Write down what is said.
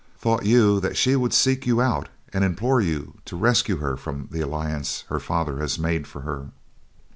Thought you that she would seek you out and implore you to rescue her from the alliance her father has made for her?"